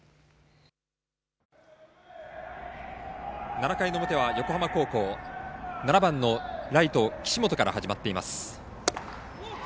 ７回の表は横浜高校７番のライト、岸本から始まっています。